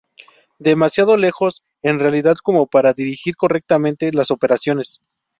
Demasiado lejos, en realidad, como para dirigir correctamente las operaciones.